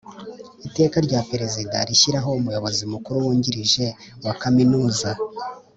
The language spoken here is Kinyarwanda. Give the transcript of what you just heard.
Iteka rya perezida rishyiraho umuyobozi mukuru wungirije wa kaminuza